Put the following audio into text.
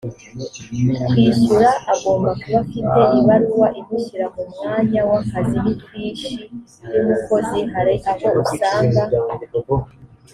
kwishyurwa agomba kuba afite ibaruwa imushyira mu mwanya w akazi n ifishi y umukozi hari aho usanga